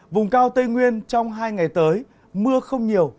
vùng cao tây nguyên trong hai ngày tới mưa không nhiều